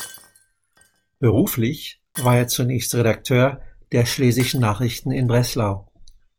Beruflich war er zunächst Redakteur der Schlesischen Nachrichten in Breslau.